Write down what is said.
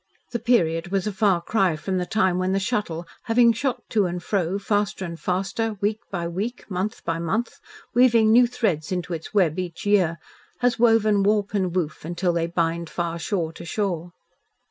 The period was a far cry from the time when the Shuttle, having shot to and fro, faster and faster, week by week, month by month, weaving new threads into its web each year, has woven warp and woof until they bind far shore to shore.